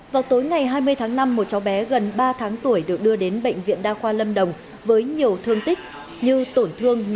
vào tối ngày hai mươi tháng năm một cháu bé gần ba tháng tuổi được đưa đến bệnh viện đa khoa lâm đồng với nhiều thương tích như tổn thương